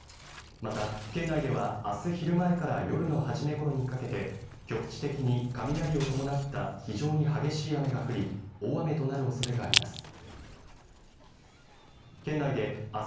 また県内では、あす昼前から夜の初めごろにかけて局地的に雷を伴った非常に激しい雨が降り大雨となるおそれがあります。